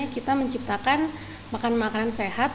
kita menciptakan makanan makanan sehat